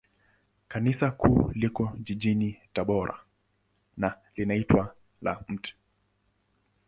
Kanisa Kuu liko jijini Tabora, na linaitwa la Mt.